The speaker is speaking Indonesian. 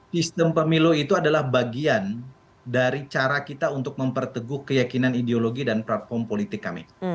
sistem pemilu itu adalah bagian dari cara kita untuk memperteguh keyakinan ideologi dan platform politik kami